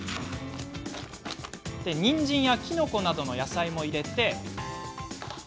にんじんやきのこなどの野菜も入れ